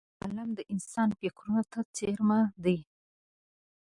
قلم د انسان فکرونو ته څېرمه دی